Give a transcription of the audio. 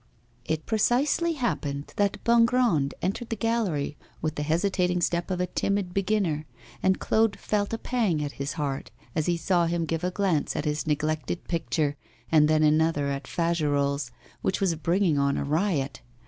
It precisely happened that Bongrand entered the gallery with the hesitating step of a timid beginner, and Claude felt a pang at his heart as he saw him give a glance at his neglected picture and then another at Fagerolles', which was bringing on a riot.